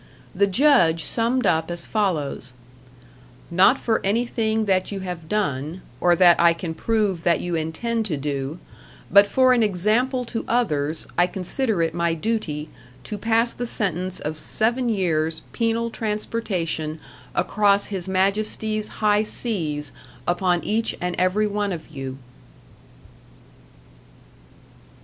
The judge summed up as follows: "Not for anything that you have done, or that I can prove that you intend to do, but for an example to others I consider it my duty to pass the sentence of seven years' penal transportation across His Majesty's high seas upon each and every one of you."